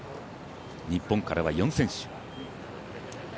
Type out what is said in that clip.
日本からは４選手。